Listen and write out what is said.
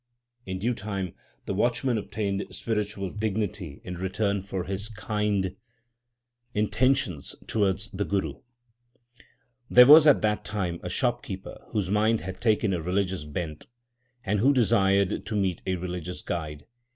In due time the watchman obtained spiritual dignity in return for his kind intentions towards the Guru. There was at that time a shopkeeper whose mind had taken a religious bent, and who desired to meet a religious guide.